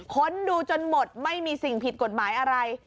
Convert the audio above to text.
ค้นดูจนหมดไม่มีสิ่งผิดกฎหมายอะไร